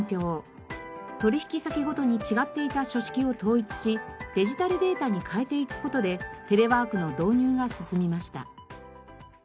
取引先ごとに違っていた書式を統一しデジタルデータに変えていく事でテレワークの導入が進みました。